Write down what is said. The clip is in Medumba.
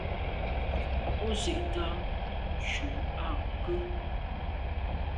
O zwi’t’a ntshu am ké.